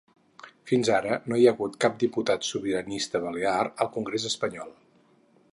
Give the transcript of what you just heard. Fins ara no hi ha hagut cap diputat sobiranista balear al congrés espanyol.